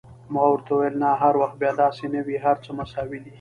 ما ورته وویل: نه، هر وخت بیا داسې نه وي، هر څه مساوي دي.